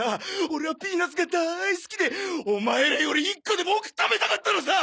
オレはピーナツが大好きでオマエらより１個でも多く食べたかったのさ！